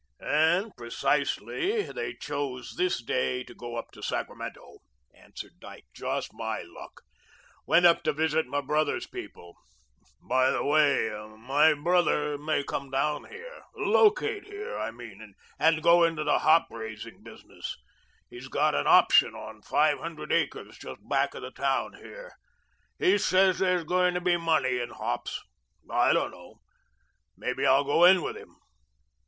"And precisely they choose this day to go up to Sacramento," answered Dyke. "Just my luck. Went up to visit my brother's people. By the way, my brother may come down here locate here, I mean and go into the hop raising business. He's got an option on five hundred acres just back of the town here. He says there is going to be money in hops. I don't know; may be I'll go in with him."